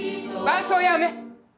伴奏やめ。